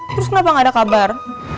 terus kenapa nggak ada kabar